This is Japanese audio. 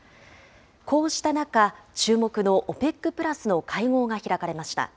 こうした中、注目のＯＰＥＣプラスの会合が開かれました。